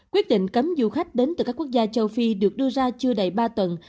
quyết định cấm du khách đến từ các quốc gia châu phi được đưa ra chưa đầy ba tuần